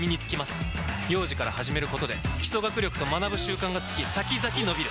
幼児から始めることで基礎学力と学ぶ習慣がつき先々のびる！